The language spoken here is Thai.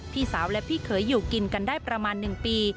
พี่สาวและพี่เขยอยู่กินกันได้ประมาณ๑ปี